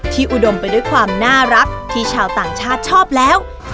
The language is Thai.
อุดมไปด้วยความน่ารักที่ชาวต่างชาติชอบแล้ว